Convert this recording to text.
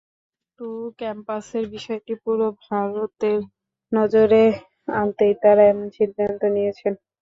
কিন্তু ক্যাম্পাসের বিষয়টি পুরো ভারতের নজরে আনতেই তাঁরা এমন সিদ্ধান্ত নিয়েছেন।